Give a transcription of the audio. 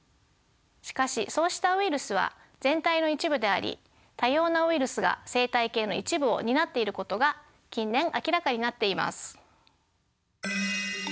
しかしそうしたウイルスは全体の一部であり多様なウイルスが生態系の一部を担っていることが近年明らかになっています。